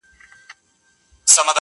o چي ورور ئې نه کې، پر سپور بې نه کې!